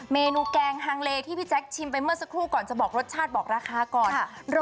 เมนูแกงฮังเลที่พี่แจ๊คชิมไปเมื่อสักครู่ก่อนจะบอกรสชาติบอกราคาก่อน